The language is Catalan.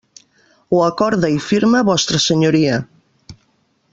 Ho acorda i firma Vostra Senyoria.